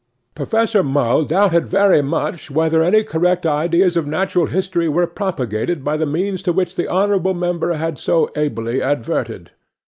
'PROFESSOR MULL doubted very much whether any correct ideas of natural history were propagated by the means to which the honourable member had so ably adverted.